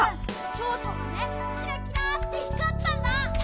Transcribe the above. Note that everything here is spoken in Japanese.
チョウチョがねキラキラってひかったんだ！